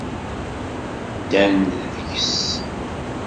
Ddan-d deg-s.